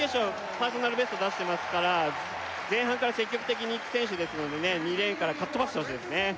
パーソナルベスト出してますから前半から積極的にいく選手ですので２レーンからかっ飛ばしてほしいですね